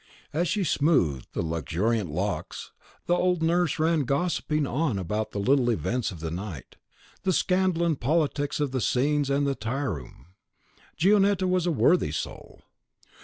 As she smoothed the luxuriant locks, the old nurse ran gossiping on about the little events of the night, the scandal and politics of the scenes and the tireroom. Gionetta was a worthy soul.